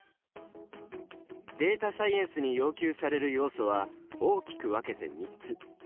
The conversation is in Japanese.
データサイエンスに要求される要素は大きく分けて３つ。